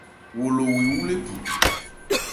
Wo lo wo ewú lephan.